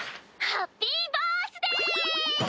ハッピーバースデー！